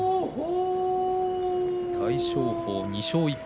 大翔鵬、２勝１敗。